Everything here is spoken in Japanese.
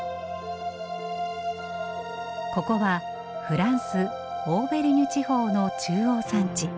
ここはフランス・オーベルニュ地方の中央山地。